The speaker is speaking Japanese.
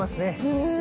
うん。